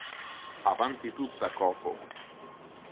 Avanti tutta Coco!